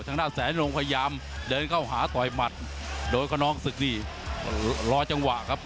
ทางด้านแสนลงพยายามเดินเข้าหาต่อยหมัดโดยคนนองศึกนี่รอจังหวะครับ